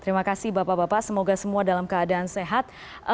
terima kasih bapak bapak semoga semua dalam keadaan sehat